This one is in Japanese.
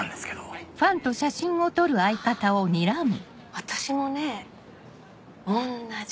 私もねおんなじ。